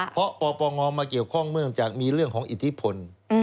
เพราะปปงมาเกี่ยวข้องเนื่องจากมีเรื่องของอิทธิพล